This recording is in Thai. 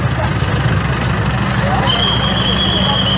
รถมันต่อไปเสียเนอะ